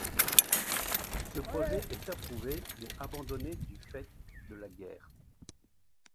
Ce projet est approuvé mais abandonné du fait de la guerre.